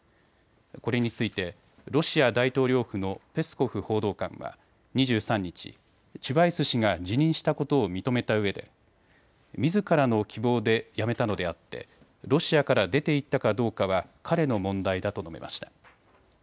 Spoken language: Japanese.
これについてロシア大統領府のペスコフ報道官は２３日、チュバイス氏が辞任したことを認めたうえでみずからの希望で辞めたのであってロシアから出て行ったかどうかは彼の問題だと述べました。